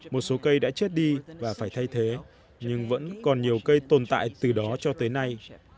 một số cây đã chết đi và phải thay thế nhưng vẫn còn nhiều cây tồn tại từ đó cho tới nay